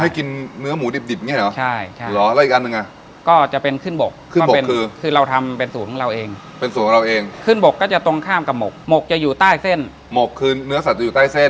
ให้กินเนื้อหมูดิบเนี่ยเหรอ